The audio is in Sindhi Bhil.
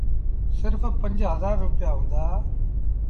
سرڦ پنج هزآر رپيآ هُݩدآ۔